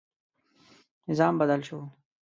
نظام بدل شو.